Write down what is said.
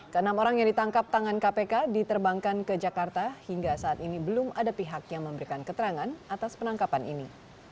ke enam orang yang ditangkap tangan kpk diterbangkan ke jakarta hingga saat ini belum ada pihak yang memberikan keterangan atas penangkapan ini